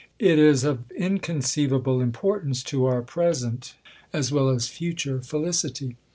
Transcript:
It is of inconceivable import ance to our present, as well as future felicity.